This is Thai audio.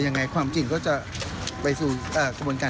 ยังไงความจริงก็จะไปสู่กระบวนการสมมุติศาสน